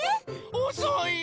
おそいよ！